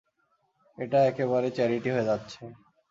এটা একেবারে চ্যারিটি হয়ে যাচ্ছে।